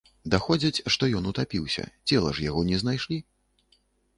Даходзяць, што ён утапіўся, цела ж яго не знайшлі.